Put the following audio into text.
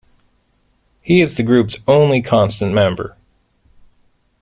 He is the group's only constant member.